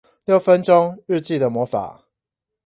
六分鐘日記的魔法